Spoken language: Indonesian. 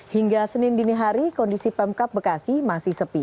hingga senin dini hari kondisi pemkap bekasi masih sepi